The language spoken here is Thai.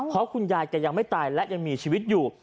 เพราะคุณยายแกยังไม่ตายและยังมีชีวิตอยู่